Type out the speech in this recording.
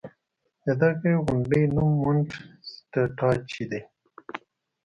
د دې غونډۍ نوم مونټ ټسټاچي و